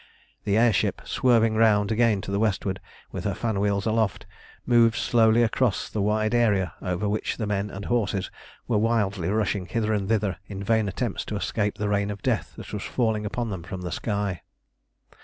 The air ship, swerving round again to the westward, with her fan wheels aloft, moved slowly across the wide area over which men and horses were wildly rushing hither and thither in vain attempts to escape the rain of death that was falling upon them from the sky.